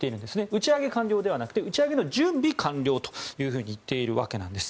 打ち上げ完了ではなくて打ち上げの準備完了というふうに言っているわけです。